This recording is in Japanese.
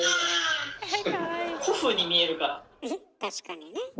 確かにね。